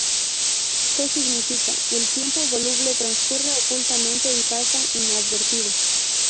Que significa: "El tiempo voluble transcurre ocultamente y pasa inadvertido".